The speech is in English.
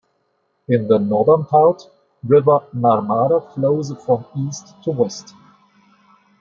In the northern part, river Narmada flows from east to west.